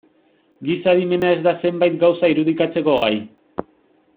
Giza adimena ez da zenbait gauza irudikatzeko gai.